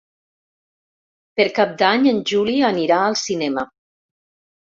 Per Cap d'Any en Juli anirà al cinema.